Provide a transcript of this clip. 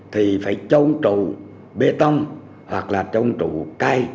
thì phải cho một trụ bê tông hoặc là cho một trụ cây